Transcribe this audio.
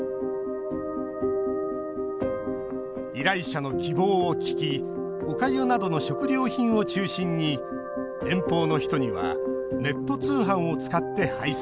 依頼者の希望を聞きおかゆなどの食料品を中心に遠方の人にはネット通販を使って配送。